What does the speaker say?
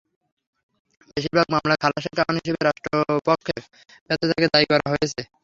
বেশির ভাগ মামলায় খালাসের কারণ হিসেবে রাষ্ট্রপক্ষের ব্যর্থতাকে দায়ী করা হয়েছে।